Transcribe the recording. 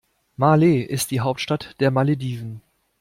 Malé ist die Hauptstadt der Malediven.